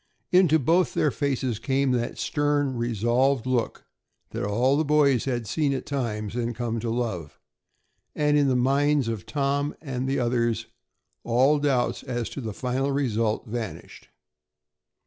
Into both their faces came that stern, resolved look that all the boys had seen at times and come to love, and in the minds of Tom and the others all doubts as to the final result vanished.